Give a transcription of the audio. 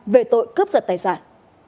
về tội cướp giật tài sản